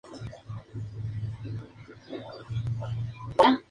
Fue declarado "Hijo Predilecto del Callao" y una calle lleva su nombre.